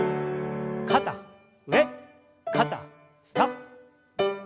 肩上肩下。